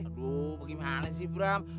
aduh bagaimana sih bram